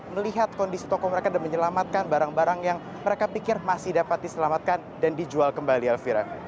melihat kondisi toko mereka dan menyelamatkan barang barang yang mereka pikir masih dapat diselamatkan dan dijual kembali elvira